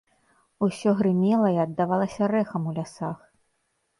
Усё грымела і аддавалася рэхам у лясах.